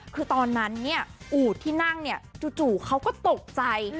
คือตอนนั้นเนี่ยอูดที่นั่งเนี่ยจู่เขาก็ตกใจ